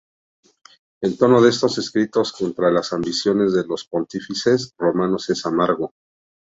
El tono de estos escritos contra las ambiciones de los pontífices romanos es amargo.